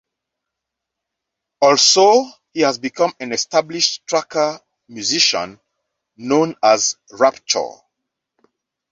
Also, he has become an established tracker musician, known as "Rapture".